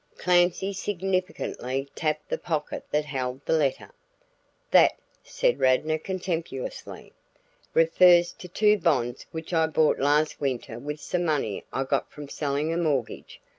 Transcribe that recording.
Clancy significantly tapped the pocket that held the letter. "That," said Radnor contemptuously, "refers to two bonds which I bought last winter with some money I got from selling a mortgage.